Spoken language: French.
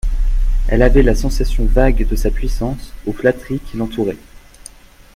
Elle avait la sensation vague de sa puissance, aux flatteries qui l'entouraient.